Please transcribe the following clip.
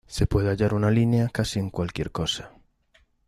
Se puede hallar una línea casi en cualquier cosa.